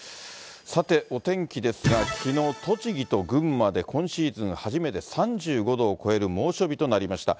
さて、お天気ですが、きのう、栃木と群馬で今シーズン初めて３５度を超える猛暑日となりました。